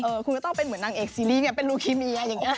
คุณก็ต้องเป็นเหมือนนางเอกซีรีส์ไงเป็นลูคิเมียอย่างนี้